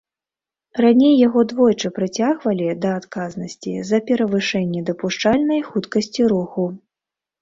Раней яго двойчы прыцягвалі да адказнасці за перавышэнне дапушчальнай хуткасці руху.